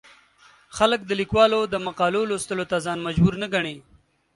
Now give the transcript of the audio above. خلک د ليکوالو د مقالو لوستلو ته ځان مجبور نه ګڼي.